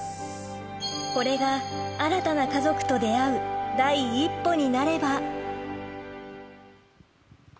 これが新たな家族と出会う第一歩になれば。